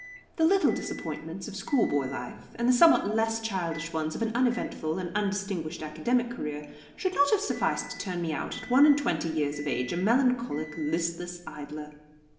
The little disappointments of schoolboy life, and the somewhat less childish ones of an uneventful and undistinguished academic career, should not have sufficed to turn me out at one and twenty years of age a melancholic, listless idler.